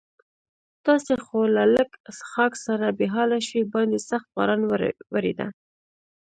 تاسې خو له لږ څښاک سره بې حاله شوي، باندې سخت باران ورېده.